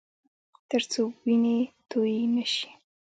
ترڅو وینې تویې نه شي